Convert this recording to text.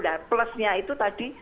nah plusnya itu tadi